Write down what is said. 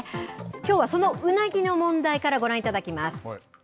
きょうはそのウナギの問題からご覧いただきます。